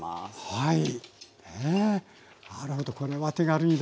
はい。